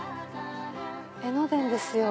江ノ電ですよ。